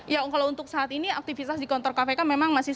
ya kalau untuk saat ini aktivitas di kantor kpk memang masih terlalu banyak